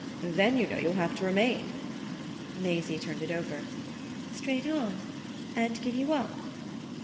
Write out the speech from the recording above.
Then, you know, you'll have to remain." Maisie turned it over. "Straight on and give you up?"